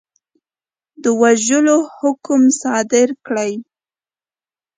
د وژلو حکم صادر کړي.